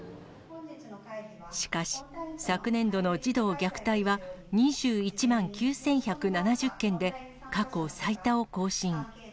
しかし、昨年度の児童虐待は２１万９１７０件で、過去最多を更新。